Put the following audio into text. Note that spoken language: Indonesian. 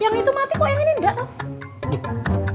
yang itu mati kok yang ini nggak tau